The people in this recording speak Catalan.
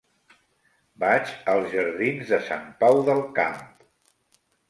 Vaig als jardins de Sant Pau del Camp.